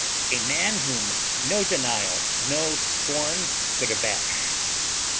"A man whom no denial, no scorn could abash."